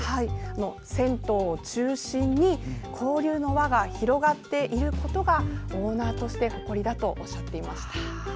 銭湯を中心に交流の輪が広がっていることがオーナーとして誇りだとおっしゃっていました。